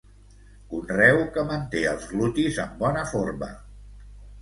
Conreu que manté els glutis en bona forma.